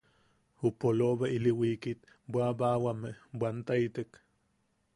Ju polobe ili wiikit bwaʼawame bwantaitek.